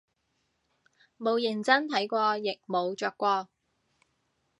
冇認真睇過亦冇着過